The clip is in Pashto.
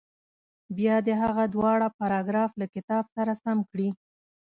بیا دې هغه دواړه پاراګراف له کتاب سره سم کړي.